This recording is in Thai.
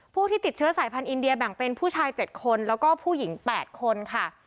ผู้ที่ติดเชื้อสายพันธ์อินเดียแบ่งเป็นผู้ชาย๗คนแล้วก็ผู้หญิง๘คนค่ะ